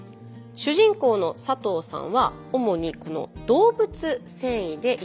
主人公の佐藤さんは主にこの動物繊維で糸を作っています。